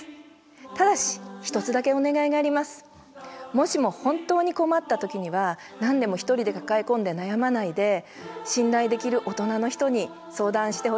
もしも本当に困った時には何でも一人で抱え込んで悩まないで信頼できる大人の人に相談してほしいな。